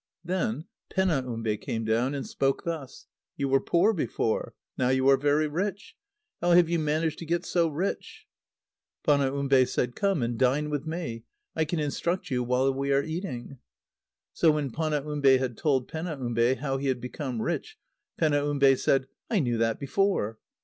Then Penaumbe came down, and spoke thus: "You were poor before. Now you are very rich. How have you managed to get so rich?" Panaumbe said: "Come and dine with me. I can instruct you while we are eating." So, when Panaumbe had told Penaumbe how he had become rich, Penaumbe said: "I knew that before."